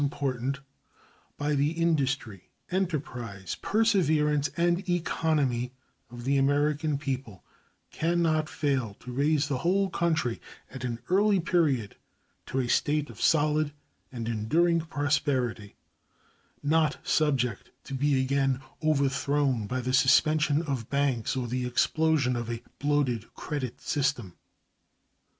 important, by the industry, enterprise, perseverance, and economy of the American people, can not fail to raise the whole country at an early period to a state of solid and enduring prosperity, not subject to be again overthrown by the suspension of banks or the explosion of a bloated credit system.